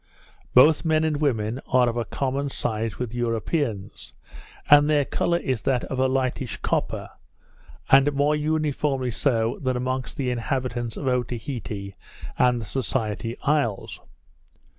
Both men and women are of a common size with Europeans; and their colour is that of a lightish copper, and more uniformly so than amongst the inhabitants of Otaheite and the Society Isles.